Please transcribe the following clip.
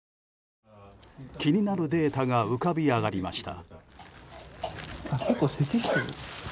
気になるデータが浮かび上がりました。